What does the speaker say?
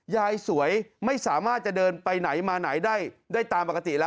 ยายสวยไม่สามารถจะเดินไปไหนมาไหนได้ตามปกติแล้ว